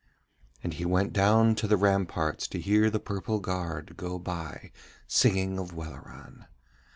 And he went down to the ramparts to hear the purple guard go by singing of Welleran.